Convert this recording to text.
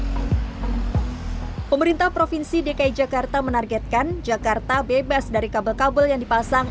hai pemerintah provinsi dki jakarta menargetkan jakarta bebas dari kabel kabel yang dipasang